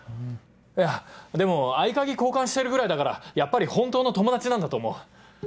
いやでも合鍵交換してるぐらいだからやっぱり本当の友達なんだと思う。